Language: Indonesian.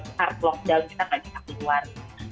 start lockdown kita tidak bisa keluar